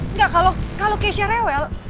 enggak kalau keisha rewel